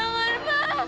kesempatan kamu udah habis